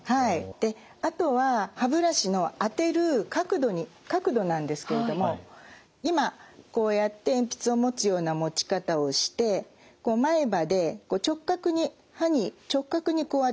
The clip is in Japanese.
であとは歯ブラシのあてる角度なんですけれども今こうやって鉛筆を持つような持ち方をしてこう前歯で直角に歯に直角にこうあてていきます。